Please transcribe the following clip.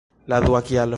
La dua kialo!